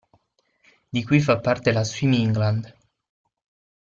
Di cui fa parte la Swim England.